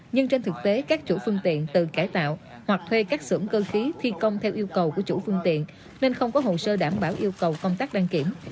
nhưng trên thực tế các chủ phương tiện tự cải tạo hoặc thuê các xưởng cơ khí thi công theo yêu cầu của chủ phương tiện nên không có hồ sơ đảm bảo yêu cầu công tác đăng kiểm